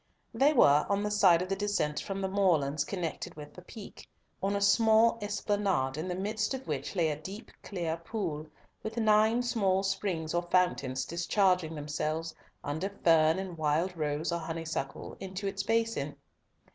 They were on the side of the descent from the moorlands connected with the Peak, on a small esplanade in the midst of which lay a deep clear pool, with nine small springs or fountains discharging themselves, under fern and wild rose or honeysuckle, into its basin.